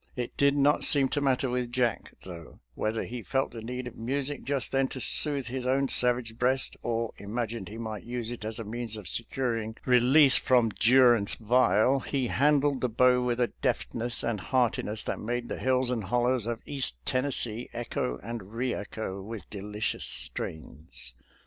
It did not seem to matter with Jack, though; whether he felt the need of music just then to soothe his own savage breast, or imagined he might use it as a means of securing release from " durance vile," he handled the bow with a deftness and heartiness that made the hills and hollows of East Tennessee echo and re echo with delicious strains.